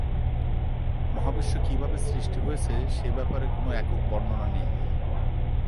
মহাবিশ্ব কিভাবে সৃষ্টি হয়েছে সে ব্যাপারে কোন একক বর্ণনা নেই।